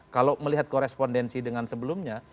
kalau melihat korespondensi dengan sebelumnya